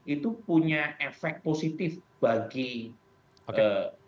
itu punya efek positif bagi pemerintahan atau tidak